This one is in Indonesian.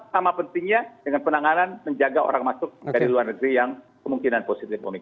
sama pentingnya dengan penanganan menjaga orang masuk dari luar negeri yang kemungkinan positif omik